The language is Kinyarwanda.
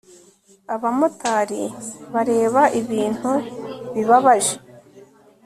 abamotari bareba ibintu bibabaje